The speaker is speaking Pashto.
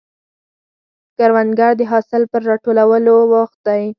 کروندګر د حاصل پر راټولولو بوخت دی